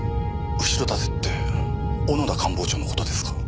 後ろ盾って小野田官房長の事ですか？